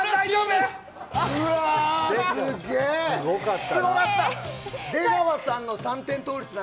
すごかったな。